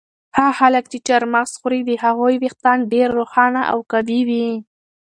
هغه خلک چې چهارمغز خوري د هغوی ویښتان ډېر روښانه او قوي وي.